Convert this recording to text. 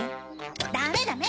ダメダメ！